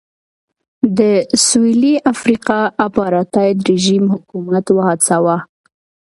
د سوېلي افریقا اپارټایډ رژیم حکومت وهڅاوه.